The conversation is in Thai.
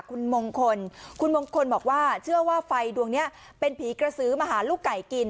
คุณมงคลคุณมงคลบอกว่าเชื่อว่าไฟดวงนี้เป็นผีกระสือมาหาลูกไก่กิน